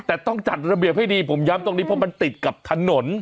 แต่ต้องจัดระเบียบให้ดีผมย้ำตรงนี้เพราะมันติดกับถนน